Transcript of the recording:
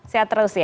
sehat terus ya